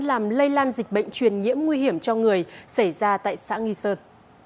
làm lây lan dịch bệnh truyền nhiễm nguy hiểm cho người xảy ra tại xã nghi sơn